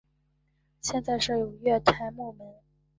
现在设有月台幕门。